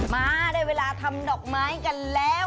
มาได้เวลาทำดอกไม้กันแล้ว